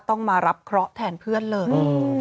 ต้องมารับเคราะห์แทนเพื่อนเลย